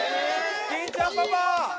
・金ちゃんパパ